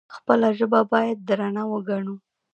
خپله ژبه باید درنه وګڼو.